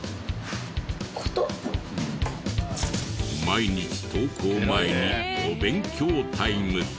毎日登校前にお勉強タイム。